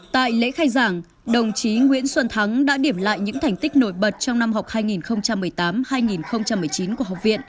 tại lễ khai giảng đồng chí nguyễn xuân thắng đã điểm lại những thành tích nổi bật trong năm học hai nghìn một mươi tám hai nghìn một mươi chín của học viện